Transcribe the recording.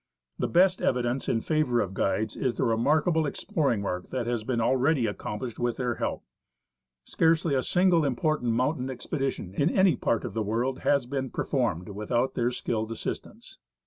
The best evidence in favour of guides is the remarkable exploring work that has been already accomplished with their help. Scarcely a single important mountain expedition in any part of the world has been performed without their skilled assistance.